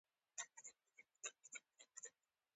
هغه وایي چې د صبر او زغم میوه تل د لیدو وړ وي